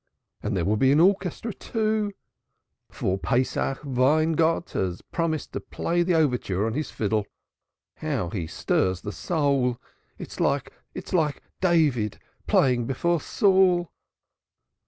And there will be an orchestra, too, for Pesach Weingott has promised to play the overture on his fiddle. How he stirs the soul! It is like David playing before Saul."